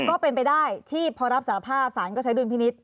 ก็เป็นไปได้ที่พอรับสารภาพสารก็ใช้ดุลพินิษฐ